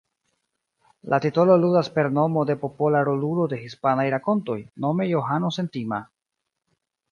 La titolo ludas per nomo de popola rolulo de hispanaj rakontoj, nome Johano Sentima.